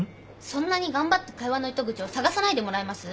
そんなに頑張って会話の糸口を探さないでもらえます？